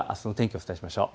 お伝えしましょう。